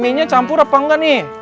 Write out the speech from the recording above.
mie nya campur apa enggak nih